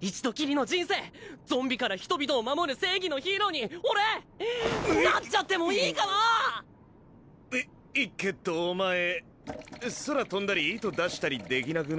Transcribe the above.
一度きりの人生ゾンビから人々を守る正義のヒーローに俺なっちゃってもいいかな⁉いいけどお前空飛んだり糸出したりできなくね？